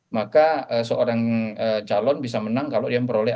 maka seorang calon bisa menang kalau dia memperoleh